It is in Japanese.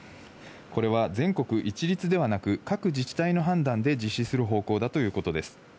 これは全国一律ではなく各自治体の判断で実施する方向だということです。